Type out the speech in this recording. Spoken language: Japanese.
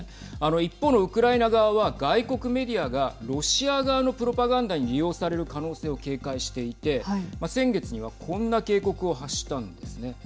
一方のウクライナ側は外国メディアがロシア側のプロパガンダに利用される可能性を警戒していて先月にはこんな警告を発したんですね。